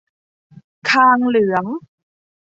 คางเหลือง